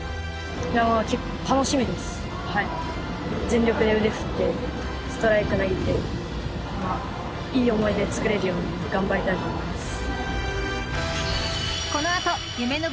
全力で腕振ってストライク投げていい思い出つくれるように頑張りたいと思います。